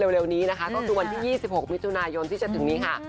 เร็วนี้นะคะก็คือวันที่๒๖มิถุนายนที่จะถึงนี้ค่ะ